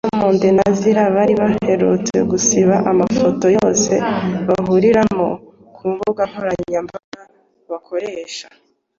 Diamond na Zari bari baherutse gusiba amafoto yose bahuriramo ku mbuga nkoranyambaga bakoresha